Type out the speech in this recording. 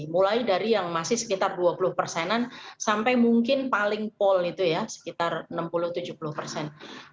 mulai dari yang masih sekitar dua puluh persenan sampai mungkin paling poll itu ya sekitar enam puluh tujuh puluh persen